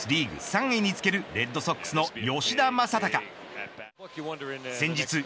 そしてこちらは打率リーグ３位につけるレッドソックスの吉田正尚。